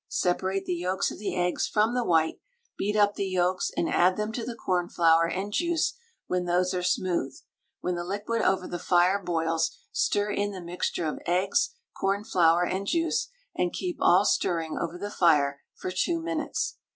Separate the yolks of the eggs from the white; beat up the yolks and add them to the cornflour and juice when those are smooth. When the liquid over the fire boils, stir in the mixture of eggs, cornflour, and juice, and keep all stirring over the fire for 2 minutes.